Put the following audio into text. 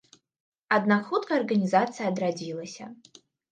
Аднак хутка арганізацыя адрадзілася.